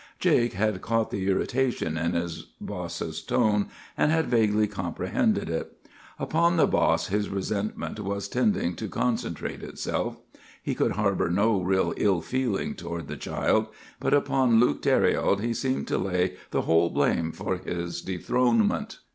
"Jake had caught the irritation in the boss's tone, and had vaguely comprehended it. Upon the boss his resentment was tending to concentrate itself. He could harbor no real ill feeling toward the child, but upon Luke Thériault he seemed to lay the whole blame for his dethronement.